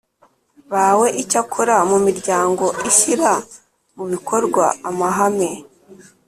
bawe Icyakora mu miryango ishyira mu bikorwa amahame